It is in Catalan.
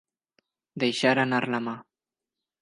Deixar anar la mà.